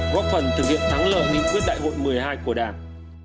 góp phần thực hiện thắng lợi nghị quyết đại hội một mươi hai của đảng